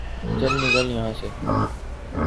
چل نکل یہا سے ـ